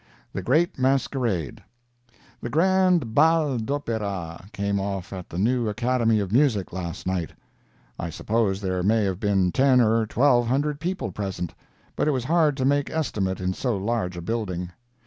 THE GREAT MASQUERADE The grand Bal d'Opera came off at the new Academy of Music last night. I suppose there may have been ten or twelve hundred people present, but it was hard to make estimate in so large a building.